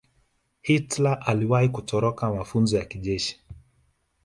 hitler aliwahi kutoroka mafunzo ya kijeshi